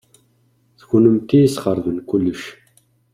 D kennemti i yesxeṛben kullec.